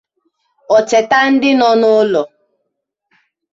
o cheta ndị nọ n'ụlọ.